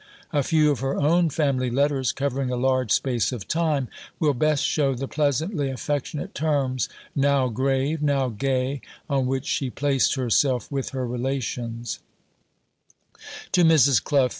A few of her own family letters, covering a large space of time, will best show the pleasantly affectionate terms, now grave, now gay, on which she placed herself with her relations: (_To Mrs. Clough.